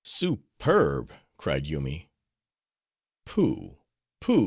"Superb!" cried Yoomy. "Pooh, pooh!"